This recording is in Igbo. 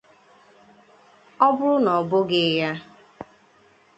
Ọ bụrụ na ọ bụghị ya